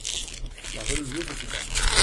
La religieuse écouta.